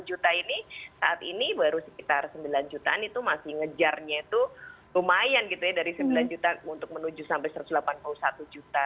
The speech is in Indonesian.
dua puluh juta ini saat ini baru sekitar sembilan jutaan itu masih ngejarnya itu lumayan gitu ya dari sembilan juta untuk menuju sampai satu ratus delapan puluh satu juta